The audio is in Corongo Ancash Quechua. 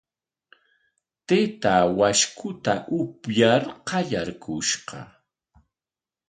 Taytaa washku upyar qallaykushqa.